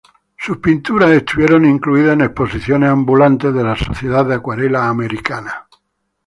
Sus pinturas estuvieron incluidas en exposiciones ambulantes de la Sociedad de Acuarela americana.